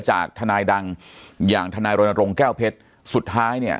จากทนายดังอย่างทนายรณรงค์แก้วเพชรสุดท้ายเนี่ย